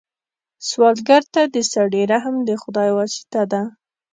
سوالګر ته د سړي رحم د خدای واسطه ده